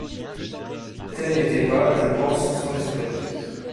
Tel n’était pas, je pense, son esprit.